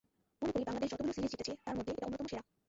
মনে করি, বাংলাদেশ যতগুলো সিরিজ জিতেছে তার মধ্য এটা অন্যতম সেরা।